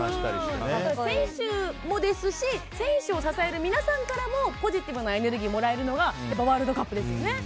選手もですし選手を支える皆さんからもポジティブなエネルギーをもらえるのはワールドカップですよね。